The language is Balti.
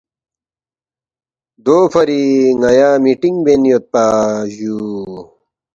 دوفری ن٘یا مِٹینگ بین یودپا جُو